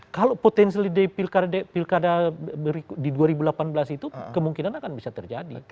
kalau potensial di pilkada di dua ribu delapan belas itu kemungkinan akan bisa terjadi